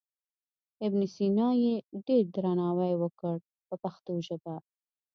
ابن سینا یې ډېر درناوی وکړ په پښتو ژبه.